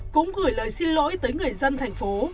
cũng gửi lời xin lỗi tới người dân thành phố